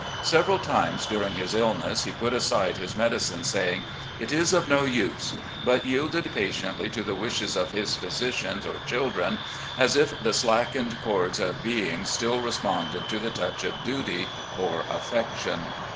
Several times diiring his illness he put aside his medicine, saying, 'It is of no use,' but yielded patiently to the wishes of his physicians or children, as if the slackened chords of being still responded to the touch of duty or affection.